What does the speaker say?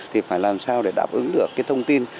thì phải làm sao để đáp ứng được cái thông tin